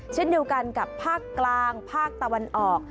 เช่นเดียวกันกับภาคกลางภาคตะวันออก